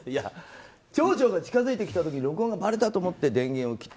町長が近づいてきた時に録音がばれたと思って電源を切った。